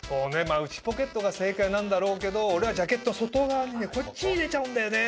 内ポケットが正解なんだろうけど俺はジャケット外側にねこっち入れちゃうんだよね。